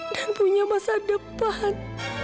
dan punya masa depan